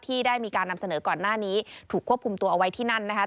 ที่ได้มีการนำเสนอก่อนหน้านี้ถูกควบคุมตัวเอาไว้ที่นั่นนะคะ